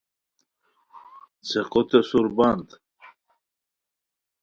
څیقو تین سربند